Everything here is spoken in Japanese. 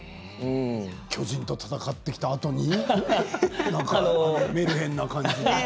巨人と戦ってきたあとにメルヘンな感じ？